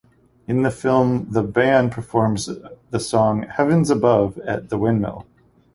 In the film the band performs the song "Heaven's Above" at the windmill.